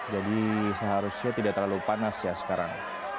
jadi seharusnya tidak terlalu panas ya sekarang